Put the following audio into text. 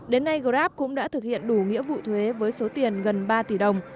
đến nay grab cũng đã thực hiện đủ nghĩa vụ thuế với số tiền gần ba tỷ đồng